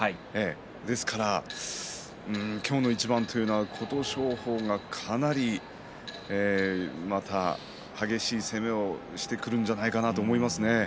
ですから今日の一番というのは琴勝峰はかなりまた激しい攻めをしてくるんじゃないかなと思いますね。